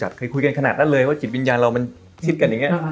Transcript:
ถ้ายังคุยขนาดนั้นเลยว่าจิตวิญญาณเราต้องกัน